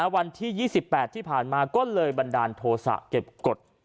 วันที่๒๘ที่ผ่านมาก็เลยบันดาลโทษะเก็บกฎ